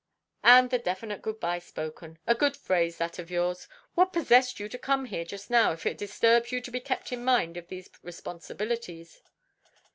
"And the 'definite good bye' spoken. A good phrase, that of yours. What possessed you to come here just now, if it disturbs you to be kept in mind of these responsibilities?"